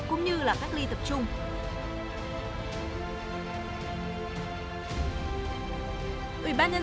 cũng như các ly tập trung